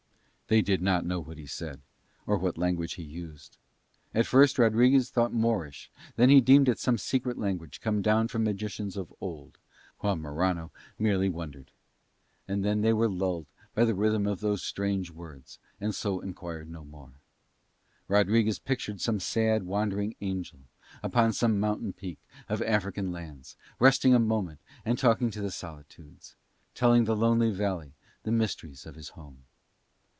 They did not know what he said or what language he used. At first Rodriguez thought Moorish, then he deemed it some secret language come down from magicians of old, while Morano merely wondered; and then they were lulled by the rhythm of those strange words, and so enquired no more. Rodriguez pictured some sad wandering angel, upon some mountain peak of African lands, resting a moment and talking to the solitudes, telling the lonely valley the mysteries of his home.